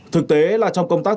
thực tế là trong công tác